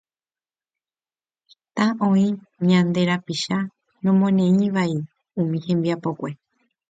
Heta oĩ ñande rapicha nomoneívai umi hembiapokue.